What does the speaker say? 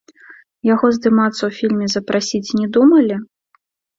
Яго здымацца ў фільме запрасіць не думалі?